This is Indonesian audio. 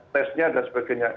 tesnya dan sebagainya